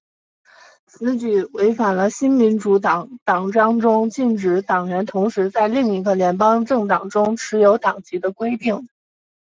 此举违反了新民主党党章中禁止党员同时在另一个联邦政党中持有党籍的规定。